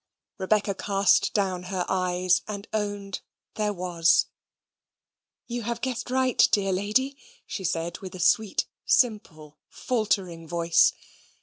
Rebecca cast down her eyes, and owned there was. "You have guessed right, dear lady," she said, with a sweet simple faltering voice.